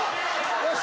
よし！